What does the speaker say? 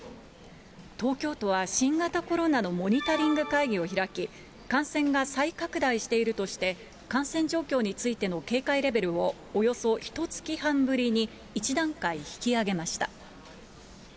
東京都は新型コロナのモニタリング会議を開き、感染が再拡大しているとして、感染状況についての警戒レベルをおよそひとつき半ぶりに１段階引き上げました。